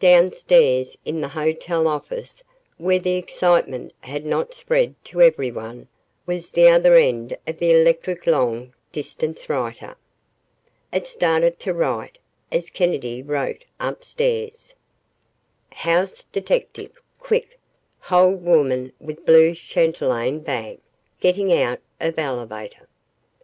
Downstairs, in the hotel office, where the excitement had not spread to everyone, was the other end of the electric long distance writer. It started to write, as Kennedy wrote, upstairs: "HOUSE DETECTIVE QUICK HOLD WOMAN WITH BLUE CHATELAINE BAG, GETTING OUT OF ELEVATOR."